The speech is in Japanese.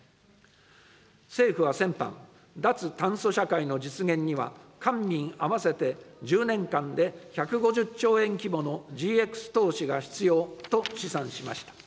政府は先般、脱炭素社会の実現には、官民合わせて１０年間で１５０兆円規模のＧＸ投資が必要と試算しました。